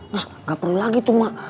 nah gak perlu lagi tuh mak